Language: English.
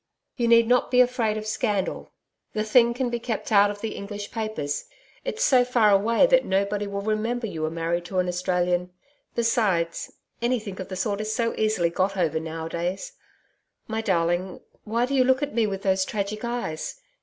You need not be afraid of scandal, the thing can be kept out of the English papers. It's so far away that nobody will remember you were married to an Australian. Besides, anything of the sort is so easily got over nowadays. My darling, why do you look at me with those tragic eyes?